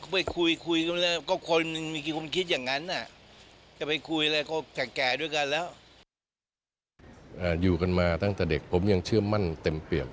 ผมยังเชื่อมั่นเต็มเปี่ยม